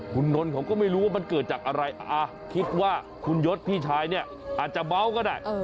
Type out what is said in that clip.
คุณนนท์เขาก็ไม่รู้ว่ามันเกิดจากอะไรคิดว่าคุณยศพี่ชายเนี่ยอาจจะเบาก็ได้